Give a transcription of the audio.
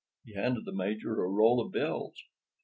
He handed the Major a roll of bills.